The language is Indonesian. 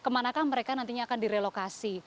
jadi mereka tidak akan direlokasi